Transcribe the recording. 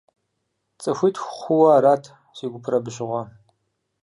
ЦӀыхуитху хъууэ арат си гупыр абы щыгъуэ.